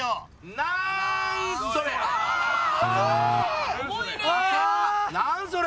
なんそれ！